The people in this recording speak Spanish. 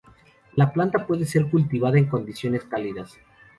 La planta puede ser cultivada en condiciones cálidas.